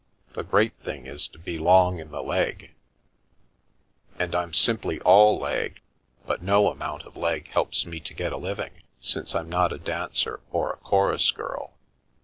The great thing is to be long in the leg "" And I'm simply all leg. But no amount of leg helps me to get a living, since I'm not a dancer or a chorus girl.